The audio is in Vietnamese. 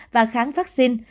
và kháng vaccine